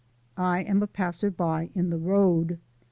I am a passerby in the road.